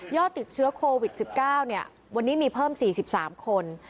ติดเชื้อโควิด๑๙วันนี้มีเพิ่ม๔๓คน